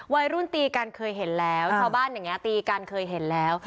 วัยรุ่นตีกันเคยเห็นแล้วชาวบ้านอย่างนี้ตีกันเคยเห็นแล้ว